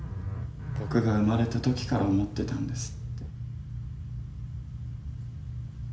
僕が生まれたときから思ってたんですって